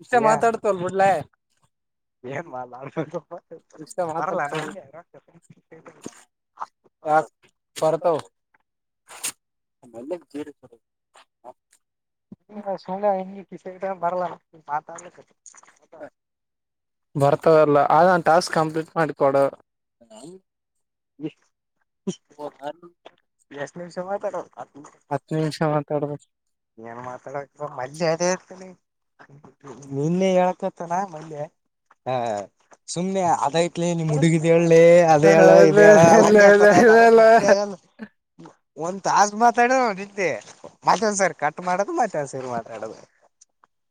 ಮಷ ಮಾತಾಡ್ತಲ್ಬಡ್ಲ ಮೊನೆ ಏನ್ ಮಾಡಾ [unintelligible] ಯಾಗ ಬತ ಮಲ್ಲಗ್ ತೀರಿಸ ಸ ಸು ಕ ಬರಲ ಮಾತಾಡ್ಲ ಬರ್ತಾವಲ್ಲ ಆದ ಟಾಸ್ಕ್ ಕಂಪ್ಲೀಟ್ ಮಾಡಿಕೊಡ ಬ್ [unintelligible] ಎಷ್ಟು ನಿಮಷ ಆಯ್ತು ಅದು ಹತ್ತು ನಿಮಿಷ ಮಾತಾಡ್ಬೇಕು ನ್ ಮಾತಾಡ ಮಲ್ಲೆ ಅದೇ ನಿನ್ನೆ ಹೇಳಳಕತ್ತನ ಆ ಸುಮ್ನೆ ಅದಾಯತ್ಲಿ ನಿಮ್ ಹುಡುಗಿದ ಹೇಳ ಹಳ್ಳಿ ಅದ ಹೇಳ ಇದ ಹೇಳ ಅತ ಗೊತ್ತ ಆಗಲ್ಲ ಒಂದ್ ತಾಸು ಮಾತಾಡೋದುದ್ದೆ ಮತ್ತೊಂದ್ಸರಿ ಕಟ್ ಮಾಡೋದು ಮತ್ತೊಂದ್ ಸರಿ ಮಾತಾಡೋದು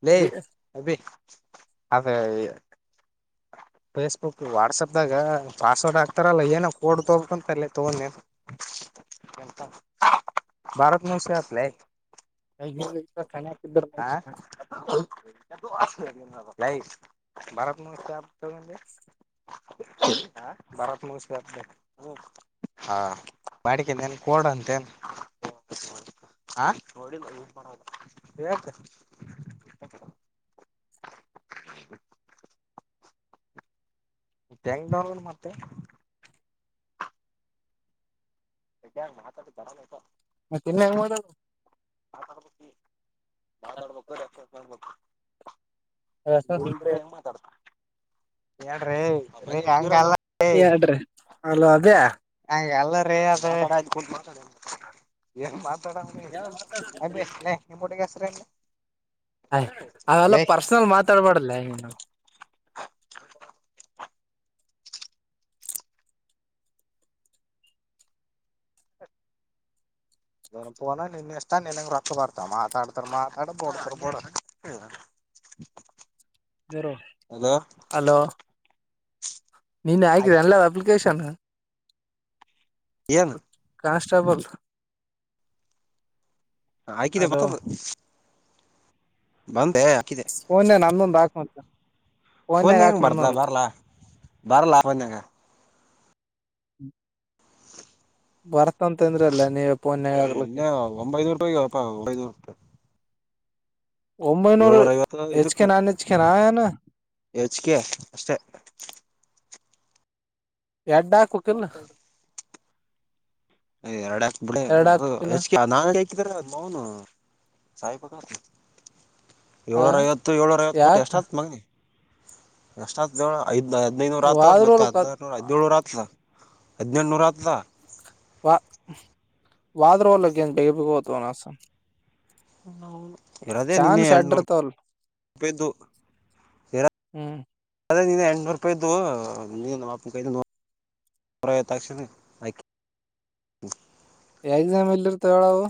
ನೀ ಅಭಿ ಹ ಫೇಸ್ಬುಕ್ ವಾಟ್ಸಪದಾಗ ಪಾಸ್ವರ್ಡ್ ಆಗ್ತಾರಲ್ಲ ಏನೋ ಕೋಡ್ ತಗಬೇಕ ಅಂತ ಅಲ್ಲೇ ತೊಗೊಂಡೆ ಭಾರತ ನಸಹತ್ಲ [unintelligible] ಲೇ ಭಾರತ್ ನಸ್ ಹ ಭರತ್ ಮುಸ ಹಾ ಬಾಡಿಕೆದೇನ್ ಕೋಡ್ ಅಂತ ಹಾ ನೋಡಿ ಮಾಡತ ಹ [unintelligible] ಹೆಂಗ್ ಡೌನ್ಲೋಡ್ ಮತ್ತೆ [unintelligible] ತಿನ್ನ ಉಮದ ಗುರುಗಳು ಏನ್ ಮಾಡುತ್ತಿದ್ದಾರೆ ಹೇಳ್ರಿ ಹಂಗಲ್ಲ ಹೇಳ್ರಿ ಅಲೋ ಅದೇ ಎಲ್ಲರ ಅ [unintelligible] ಆಯ್ ಅವೆಲ್ಲ ಪರ್ಸನಲ್ ಮಾತಾಡ್ಬಾರಡಲ್ಲ ನ ನ ಪೋನ ನಿನ್ ಎಷ್ಟ ನನ್ಂಗ ರೊಕ್ಕ ಬರ್ತ ಮಾತಾಡ್ತಾರ ಮಾತಾಡ ಬೋಡ್ತಾರ ಬಡ [inaudible] ಅಲೋ ನೀನ್ ಹಯಕ್ರಿ ಅಲ್ಲ ಅಪ್ಲಿಕೇಶನ್ ಏನು ಕಾನ್ಸ್ಟಾಬಲ್ ಹಾಕಿದ ಅಲೋ ಮತ್ತೊಂದು ಬಂ ಫೋನ್ನ್ಯಾಗ ನಂದೊಂದ ಹಾಕ್ ಮತ್ ಫೋನ್ಯಾಗ ಹೆಂಗ ಬರ್ತದ ಬರಲಾ ಬರಲಾ ಫೋನ್ಯಾ ಗ [unintelligible] ಬರ್ತಂತಂದ್ರ ಅಲ್ಲ ನೀವು ಇನ್ನ ಒಂಬೈನೂರು ರೂಪಾಯಿಗಪಾ ಒಂಬೈನೂರು ರೂಪಾಯಿ ಒಂಬೈನೂರು ಏಳ್ನೂರ ಹೆಚ್ ಕೆ ನಾನ್ ಹೆಚ್ ಕೆ ನಾ ಎನ್ ಎಚ್ ಕೇ ಅಷ್ಟೆ ಎಡ್ಡಾ ಹಾಕಬೇಕೀಲ್ ಎರಡು ಹಾಕ್ ಬಿಡ ಹಾಕ್ಬೇಕಿಲ್ಲ ಹೆಚ್ ನಾ ಹಾಕಿದ್ರೆ ಮೌನು [unintelligible] ಹ ಏಳನೂರಾ ಐವತ್ತು ಏಳೂರ ಐವತ್ತು ಕೋಟಿ ಯಾಕ ಅಷ್ಟತ್ ಮಗನಿ ಎಷ್ಟತ್ ಐದ್ ಹದ್ನೈದುನೂರು ಆತ್ತ್ ಮತ್ತೆ ವಾದ್ರರು ಹದ್ನಾರು ನೂರ ಹದಿನೇಳನೂರು ಆತಲಾ ಹದಿನೆಳನೂರ ಆತಲಾ ವ ವಾದ್ರೋಲಕ್ಕೆಂತ ಬಗಬೇಕಗೋತನಸಂ ಇರೋದೇ ನಿನ್ನೆ ಎರಡ ಎಡ್ ನೂರು ಇರ್ತಾವಲ್ ಒಪ್ಪೇದು ಎರ್ ಹ್ಮ್ ಅದೇ ನೀನ್ನ ಎಂಟನೂರಪಾಯ್ದು ನೀವು ನಮ್ಮ ಅಪ್ಪ [unintelligible] [unintelligible] ಎಕ್ಸಾಮ್ ಎಲ್ಲಿ ಇರ್ತಾವ ಹೇಳವು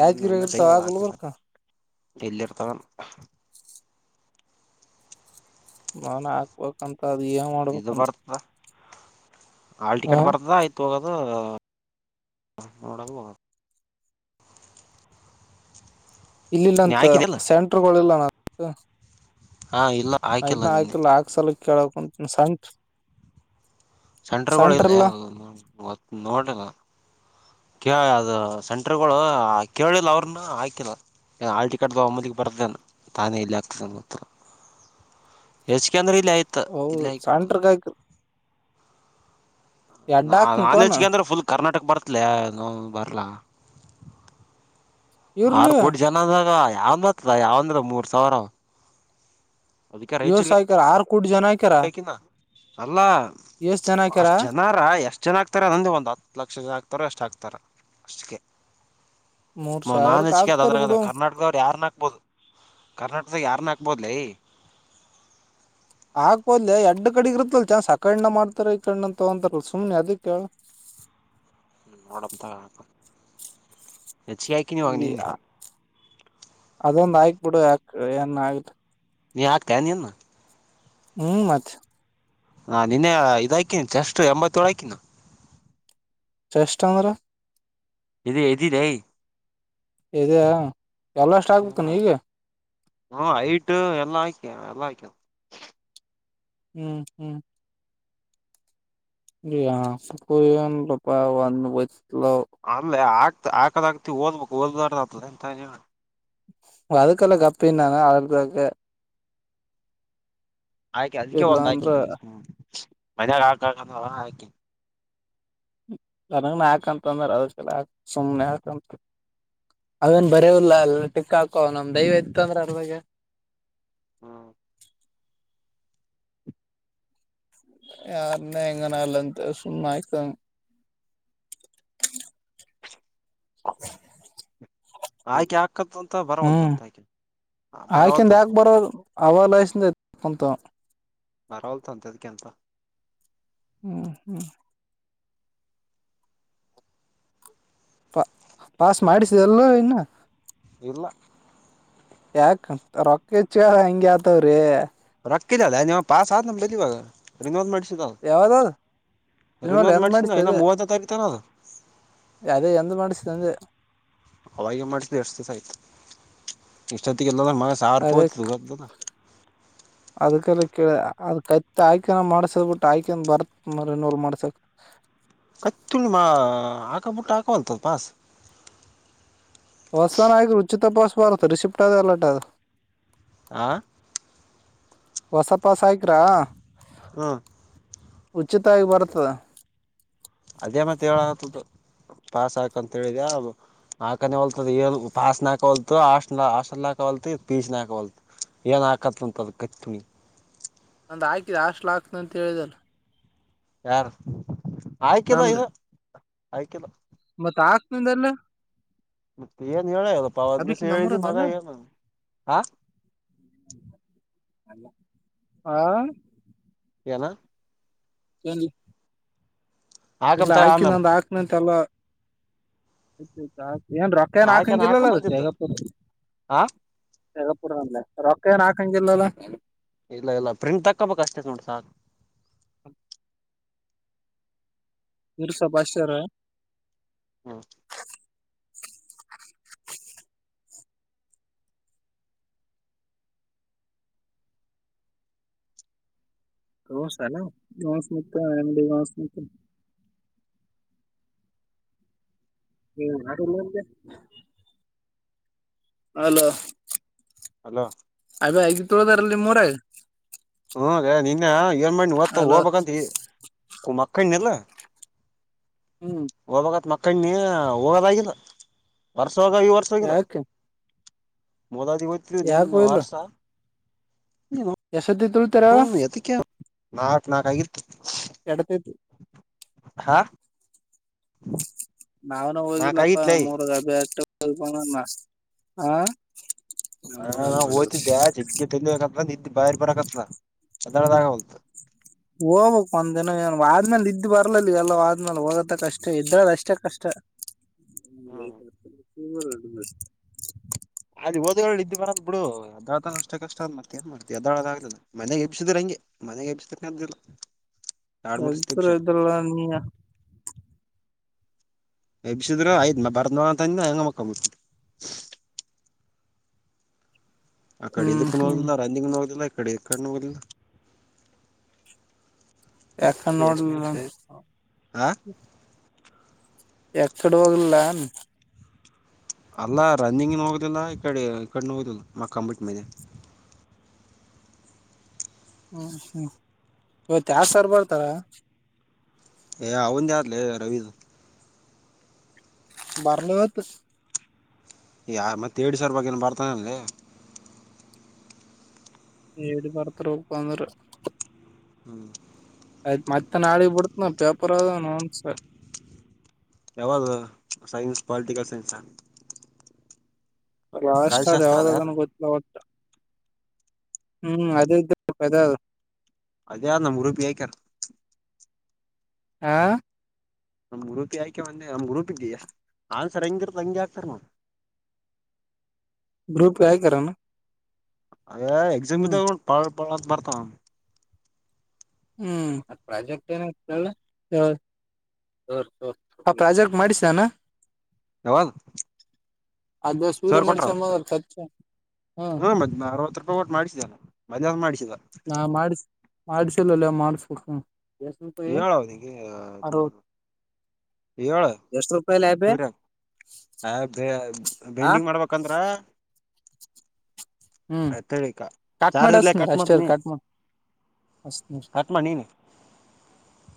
ಯಾದಗಿರಿಯಾಗ ಇರ್ತಾವ ಹಾಕ ಗುಲ್ಬರ್ಕ [unintelligible] ಎಲ್ಲಿರ್ತವ ಮನ ಹಾಕ್ಬೇಕಂತ ಅದ ಏನ್ ಇದು ಮಾಡ್ಬೇಕಂತ ಬರ್ತದ ಹಾಲ್ ಟಿಕೆಟ್ ಹ ಬರ್ದದ ಆಯ್ತು ಹೋಗೋದು ನೋಡದು ಹೋಗದು ಇಲ್ಲಿಲ್ಲ ನೀ ಅಂತ ಹಾಕಿದಲ್ಲ ಸೆಂಟರ್ಗಳಿಲ್ಲ [unintelligible] ಹಾ ಇಲ್ಲ ನೈಟ್ ಹಾಕಿಲ್ಲ ನ ನಿನ್ನೆ ಹಾಕಲ್ಲ ಹಾಕ್ಸಲ ಕೇಳಕ್ಂತ ಸಂಟ್ ಸೆಂಟರ್ ಗೋಳ ಇಲ್ ನೋಡ ಕೆಳ ಅದು ಸೆಂಟರ್ಗಳು ಕೇಳಿಲ್ಲ ಅವ್ರನ್ನ ಹಾಕಿಲ್ಲ ಹಾಲ್ ಟಿಕಟ್ ಒಮ್ಮೆಲೆ ಬರ್ತ ತಾನೇ ಇಲ್ಲಿ ಆಗ್ತದತ್ರ ಹೆಚ್ ಕೇ ಅಂದ್ರೆ ಇ ಇಲ್ಲಾಯಿತ ಹೌದು ಇಲ್ಲಾಯ ಹಾಕ್ಬಿಡು ಸೆಂಟ್ರಗ್ ಹಾಕ ಎಡ್ಡ ನಾ ನಾನ ಹೆಚ್ ಹಾಕ್ತನ್ಪನ ಜಿ ಕೆ ಅಂದ್ರೆ ಫುಲ್ ಕರ್ನಾಟಕ ಬರ್ತ್ಲ ಬರ್ಲಾ ಆರು ಇರ್ಲಿ ಕೋಟಿ ಜನದಾಗ ಯಾವ ಬರ್ತದ ಯಾವಂದ್ರ ಮೂರ್ ಸಾವಿರಾ ಯೋಸ ಹಾಕಾರ ಆರು ಕೋಟಿ ಜನ ಹಾಕಾರ್ ಹಾಕಿನ ಅಲ್ಲಾ ಅಷ್ಟ್ ಜನಾ ಆರ ಎಷ್ಟ ಜನ ಹಾಕತ್ತಾರಾ ಅಂದ ಒಂದ್ ಹತ್ತು ಲಕ್ಷ ಜನ ಹಾಕತ್ತಾರ ಎಷ್ಟ ಆಕ್ತಾರ ಅಷ್ಟಕ್ಕೆ ಮೂರ್ ಮ ನಾನ್ ಸಾವಿರಕ್ ಹೆಜಿಕೆ ಅದು ಹಾಕ್ತಾರ ಬಿಡು ಅದ್ರದ್ರೆ ಕರ್ನಾಟಕದವ್ರರು ಯಾರನ್ನ ಹಾಕ್ಬೋದು ಕರ್ನಾಟ ಅದು ಯಾರನ್ನ ಹಕ್ಬೋದ್ಲೇ ಹಾಕಬಹುದ ಲೇ ಎಡ್ ಕಡೆಗ ಇರುತ್ತಲ್ ಚಾನ್ಸ ಅಕಾಡನು ಮಾಡ್ತಾರ ಈ ಕಡೆ ತಗೋತಾರ ಸುಮ್ನೆ ಅದಕ್ಕೆ ಕೇಳ ಹ್ಮ ನೋಡತ್ ಹೆಚ್ಚ ಹಾಯ್ಕೀನಿವಾಗ ನಿನ್ನೆ. ಅದೊಂದ ಹಾಕಿ ಬಿಡು ಯಾಕ ಏನ್ ಆತ್ ನೀ ಹಾಕ್ಕತಿ ಎನ್ ಇನ್ನ ಹ್ಮ್ ಮತ್ತ ಹಾ ನಿನ್ನೆ ಇದಾಯ್ಕಿನಿ ಚಷ್ಟ ಎಂಬತ್ತೇಳು ಹಾಕಿನಾ ಚಷ್ಟಟ ಮರ ಇದು ಇದ್ದಿದ್ದೆ ಇದೆಯಾ ಎಲ್ಲ ಅಷ್ಟ ಆಗ್ಬೇಕತ ಹ ನೀ ಈಗ ಹ್ಮ ಐಟ್ ಎಲ್ಲಾ ಹಾಕ ಎಲ್ಲಾ ಹಾಕೇದ ಹ್ಮ್ ಹ್ಮ್ [unintelligible] ಅಲ್ಲೇ ಆಕ್ತಿ ಹಾಕದ ಆಕ್ತಿ ಓದ್ಬೇಕು ಓದಲಾರ್ದ ಆಗ್ತದ [unintelligible] ಎಂತ ಹೇಳಿ ಅದುಕಲ್ಲ ಗಪ್ ನಾನ [unintelligible] ಆಯ್ತೆ ಅದಕ್ಕೆ ಇಲ್ಲ ಒಂದ್ ಆಯ್ತ ಅಂದ್ರ ನಗೆ ಹ್ಮ ಮಜ ಕಕ ಆಯ ನನ ಹಾಕಂತ ಅಂದ್ರ ಅದ ಸುಮ್ನೆ ಹಾಕಂತ ಅವೇನ್ ಬರವಲ್ಲ ಅಲ್ ಟಿಕ್ಕಾಕೋ ನಮ ದಯವ ಇತ್ತಂದ್ರ ಅಲ್ವಾಗ ಯಾರನ್ನ ಎಂಗನಲ್ಲಂತ ಸು್ಣ ಆಯ್ತ [unintelligible] [unintelligible] ಹಾಕಿ ಹಾಕದಂತ ಹ್ಮ್ ಬರವಲ್ದಂತ ಆಕಿ ಆಕಿಂದ ಬರವಲ್ತಂತ ಯಾಕೆ ಬರೋದು ಅವಾಲಯಸಂದ ಕೊಂತ ಬರ ಹಲ್ತಂತದಕಂತ ಹ್ಮ್ ಹ್ಮ್ ಪಾ ಪಾಸ್ ಮಾಡಿಸಿದೆಲ್ಲ ಇನ್ನ ಇಲ್ಲ ಯಾಕ ರೊಕ್ಕಚ್ಚ ಹೆಂಗಗೆ ಆತವ್ರಿ ಪಕ್ಕಿಲ್ಲ ಅಲ್ಲ ನೀವು ಪಾಸ್ ಆದ ನಮ್ಮ ಬಂದ ಇವಾಗ ರಿನೋ ಅ್ ಮಾಡಿಸಿಿ ಯಾವ್ದಾದ ರಿನೋ ರಿನಲ್ ಎಂದ್ ಮೆಡಿಸಿನ್ ಇ ಮಾಡಿಸ್ತದೆ ಮೂವೈತ್ತು ತಾರ ತ ನಲ್ಲ ಅದೇ ಎಂದ ಮಾಡಿಸ ಅಂದೆ ಅವಾಗ ಮಾಡ್ಿದು ಎಷ್ಟ ದಿವಸ ಆಯ್ತು ಇಷ್ಟೊತ್ತಿಗೆ ಇ ಮ ಸಾರ ಅದೇ ಪೋತ ಕ ಅದ ಕೈತ್ ಆಯ್ಕನ ಮಾಡ್ಸದ್ ಬಿಟ್ಟ ಆಯ್ಕನ್ ಬರತ್ ಮರಿನಲ್ ಮಾಡ್ಸಕ್ ಎತ್ತುಿ ಮಾ ಹಕಬಿಟ್ಟು ಹಕೋಂತದ ಪಾಸ್ ಹೊಸ್ಥಾ ನಾಯಕರು ಉಚಿ ತಪಾಸ ಪಾರತ ರಿಷಿಫ್ಟ ಅದೆ ಅಲ್ಲಟ ಅದು ಆ ಹೊಸಪ್ಪಾ ಸಾಯಕ್ರಾ ಹಾ ಉಚಿತವಾಗಿ ಬರ್ತದ ಅದೇ ಮತ್ತೆ ಹೇಳ ಆತದು ಪಾಸ್ ಹಾಕಂತ ಹೇಳಿದ ನಾಕನೇ ಹೊಲ್ತದ ಏನ್ ಪಾಸ್ ನಾಕ ಹೊಲ್ತು ಹಸ್ ಹಸ್ಲ್ ಹಾಕ ಪೀಚಿನಕ ಏ ಆಕತ್ತ ಉಂತ ಕುಿ ನಂದು ಹಾಕಿದೆ ಹಾಸ್ಟ್ಲ್ ಹಾಕ್ತನಂತ ಹೇಳಿದಾನ ಯಾರು ಆಯ್ಕಿಲ್ಲ ಇದು ಆಯ್ಕಿಲ್ಲ ಮತ್ತ ಆಕ್ ನಿಂದಲ್ಲ ಮತ್ತೆ ಏನ್ ಹೇಳ ಹೇಳಲ್ಲ ಪಾವನ್ ದಿವಸ ಹೇಳಿದ್ದ ಮಗ ನಮ್ಮರನಲ್ಲ ಹೇಳಏ ಹ [unintelligible] ಅ ಹಾ ಏನ ಕ ಇಲ್ಲ ಹಾಕಂತ ಹಾಕ ಆಮೇಲೆ ನಂದ ಹಾಕ್ನಂತೆಲ್ಲ ಏನ್ ರೊಕ್ಕ ನ್ ಹಾಕೇನ ಹಾಕಂಗಿಲ್ಲಲ್ಲ ಅದಕ್ಕೆ ಹಾಕಂಬಂದಿದ್ದ ಹೇಗಪ್ಪ ಆ ಗಪುರ ಅಲ್ಲ ರೊಕ್ಕ ರಾಕಂ ಜಿಲ್ಲಲ್ಲ ಇಲ್ಲ ಇಲ್ಲ ಪ್ರಿಂಟ್ ತಕೋಬೇಕ ಅಷ್ಟೇತ್ ನೋಟಿ ಸಾಾರ್ ಇರುಸಭಾಷರ ಹಾ ೋಸಲ್ಲ ಗಾಸ್ ಮುಕ್ಕಾಸ್ ಮು ಹ್ಮ್ ಆ ಅಲೋ ಅಲೋ ಅ ಐದು ತೊಳೋದಾರಲ್ಲಿ ಮೂರಾಗ ಹ್ಮ ನಿನ್ನೆ ಏನ್ ಮಾಡಿವತ್ತು ಹಲೋ ಹೋಗ್ಬೇಕಂತ ಕುಮಕ್ಕ ಕಲ್ಲ ಹ್ಮ್ ಒ ಬ ಮ ಕಣ್ಣಿ ಹೋಗೋದಾಗಿದ್ದ ವರ್ಷ ಹೋಗ ಈ ವರ್ಷ ಹೋಗಿದ ಯಾಕೆ ಮೊದ ಅದಗತ್ರಿ ದ ಯಾಕೆ ವರ್ಷ ಎಸತ್ತ ತುಳ ಹ್ಮ ಎದಕ್ಕೆ ನಾಕ್ ನಾಕ ಆಗಿತ್ತು ಎಡತೈತಿ ಹಾ ಹ್ಮ ನಾವ್ನು ಹೋಗಿಲ್ಲಪ್ಪ ಮೂರ್ ಗಬೆ ಅಷ್ಟ ಹೋಗಮ್ಮ ಹ ಹಾ ನಾ್ ಹೋಗ್ತಿದ್ದೆ ಯ ಜಿಗ್ಗೆ ತಂದಬೇಕಂತ ನಿ ಬಿ ಬರಾಕತ್ನಾ ಅದಳ ದಾಗ ಬಲ್ತ ಹೋಗ್ಬೇಕಕ್ ಒಂದ್ನ ಆದ್ಮೇಲೆ ಇದ್ ಬರ್ಲಿಲ್ಲ ಎಲ್ಲ ಆದ್ಮೇಲೆ ಹೋಗತ್ತ ಕಷ್ಟ ಇದ್ರದ ಅಷ್ಟೇ ಕಷ್ಟ ಹ್ಮ್ ಹ ಅದ ಓದ್ ಇದ್ ಬರದ್ ಬಿಡು ಅದ್ದಳ್ತ ಅಷ್ಟ ಕಷ್ಟ ಅ ಮತ್ತೇಏನ್ ಮಾಡತತಿಿದ್ದಾಳ ಆದ ಮನೆಗೆ ಎಬ್ಸಿದ್ರಂಗೆ ಮನೆಗೆ ಅಬಿಸ್ತನ ಅ್ದಲ್ಲ ಎಲ್ತರ ಇದಲ್ಲ ನೀಯ ಎಬ್ಸಿದ್ರ ಆಯದ್ಮ್ಮ ಬರ್ದವ ಅಂತಂದ ಹೆಂಗ ಮಕ್ಕಂಬ ಆ ಕಡೆ ಹ್ಮ್ ಇದಕ್ಕೂ ಹ್ಮ್ ಹೋಗದಿಲ್ಲ ರಂದಿಂಗ ನ ಹೋಗುದಿಲ್ಲ ಕಡ ಕ್ಣ ಬಲ್ಲ ಎಕ್ಕಡೆ ಹೋಗಿಲ್ಲ ಆ ಎಕ್ಕಡ ಹೋಗಿಲ್ಲ ಅಲ್ಲ ರನ್ನಿಂಗ್ ಹೋಗುದಿಲ್ಲ ಈಡೆ ಈ ಕಡೆ ಹೋಗುದಿಲ್ಲ ಮ ಕಂಬಿಟ್ ಮೇನೆ [inaudible] ಹ್ಮ್ ಹ್ಮ್ ಇವತ್ ಯ ಸರ್ ಬರ್ತಾರ ಹವನ್ ದತಲ ರವಿದು ಬರ್ಲತ್ ಯಾರ ಮತ್ತೆ ಎಡ್ ಸಾವರ್ ಬಗ್ಗೆನ ಬರ್ತಾನೆ ಅಲ್ಲಿ ಏಡು ಬರತ್ರರ ಪಂದರು ಹ್ಮ್ ಆಯ್ತ್ ಮತ್ತನ್ ಆಡಿ ಬಿಡ್ತ ನ ಪೇಪರ್ ಅದನ್ಸ ಯಾವ್ದ ಸೈನ್ಸ್ ಪಾಲಿಟಿಕಲ್ ಸೈನ್ಸ್ ಲಾಸ್ಟ್ ಹ ರಾಜಶಾಸ್ತ್ರ ಅದ ದವದಾನ ಗತ್ತಲ ಒತ ಹ್ಮ್ ಅದದು ಕದ ಅದ ಯಾರ ನಮ್ಮ ಗ್ರೂಪ್ ಗೆ ಯಾಕಿಯಾನ್ ಆ ನಮ್ ಗ್ರೂಪ್ಗೆ ಯಾಕೆ ಒಂದೆ ನಮ್ ಗ್ರೂಪ್ ಇದೀಯ ಆನ್ಸರ್ ಹೆಂಗಿರ್ದ ಹಂಗೆ ಆಗ್ತಾರ ನಾವು [inaudible] ಗ್ರೂಪ್ ಆಕೆಯನ್ನು ಅದೇ ಎಕ್ಸಾಮ್ ಇದ್ದಾ ಪಳ ಅಂತ ಬರ್ತಾವ ಹ್ಮ್ ಅದ ಪ್ರಾಜೆಕ್ಟ್ ಏನಾಗತಲ್ಲ ಹ ಪ್ರಾಜೆಕ್ಟ್ ಮಾಡಿಸಾನ ಹೌದ ಆದ್ ಬ ಸೂರಮಸ ಅಮ ಚರ್ ಹ್ಮ ಮ್ ಅರವತ್ತು ರೂಪಾಯಿ ಒಟ್ಟು ಮಾಡಿಸಿದ ಮಧ್ಯಾಹ್ ಮಾಡಿಸಿದ ನಾ ಮಾಡ ಮಾಡಸಿಲ್ಲಲ್ಲಯ ಮಾಡಸ್ಬೇಕು ಹೇಳು ಅವನಿಗೆ ಏಳು ಎಷ್ಟ ರೂಪಾಯಿ ಲಾಭ ಸೂರ್ಯ ಆ ಆ ಬೈಂಡಿಂಗ್ ಮಾಡ್ಬೇಕಂದ್ರೆ ಹ್ಮ್ ಆಯ್ತಿಕ ಕಟ್ ಚಾರ್ಜ್ ಮಾಡಿ ಇಲ್ಲ ಹಚ್ತನ ಕಟ್ ಅಷ್ಟೇ ಮಾಡ್ತನಿ ಕಟ್ ಮಾಡಿ ಹಚ್ತನ ಕಟ್ ಮಾಡ್ ನೀನೆ